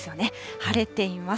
晴れています。